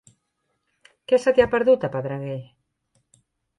Què se t'hi ha perdut, a Pedreguer?